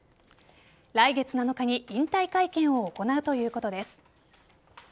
来月７日に引退会見を行うということです。